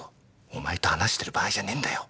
お前と話してる場合じゃねえんだよ。